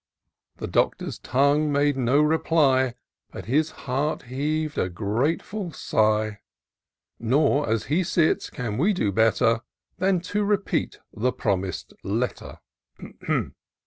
The Doctor's tongue made no reply, But his heart heav'd a grateful sigh; Nor, as he sits, can we do better Than to repeat the promis'd letter.